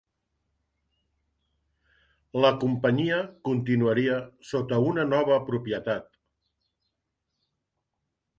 La companyia continuaria sota una nova propietat.